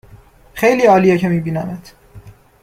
خیلی عالیه که می بینمت